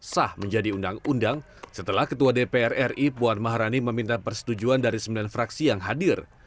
sah menjadi undang undang setelah ketua dpr ri puan maharani meminta persetujuan dari sembilan fraksi yang hadir